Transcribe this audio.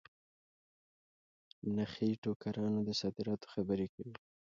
نخې ټوکرانو د صادراتو خبري کوي.